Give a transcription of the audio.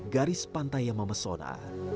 garis pantai yang memesona